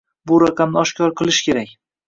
Bu raqamni oshkor qilish kerak